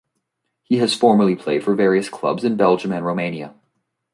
He has formerly played for various clubs in Belgium and Romania.